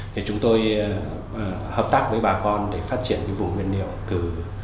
thì chúng tôi hợp tác với bà con để phát triển cái vùng nguyên liệu từ